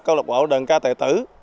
câu lạc bộ đàn ca tệ tử